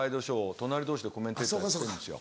隣同士でコメンテーターやってるんですよ。